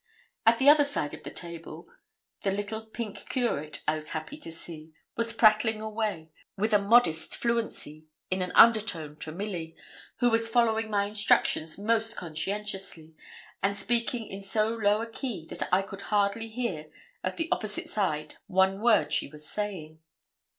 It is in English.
At the other side of the table, the little pink curate, I was happy to see, was prattling away, with a modest fluency, in an under tone to Milly, who was following my instructions most conscientiously, and speaking in so low a key that I could hardly hear at the opposite side one word she was saying.